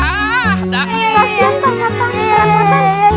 kasian pasang tangan terang terang